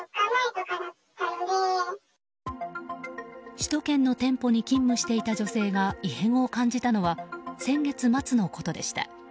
首都圏の店舗に勤務していた女性が異変を感じたのは先月末のことでした。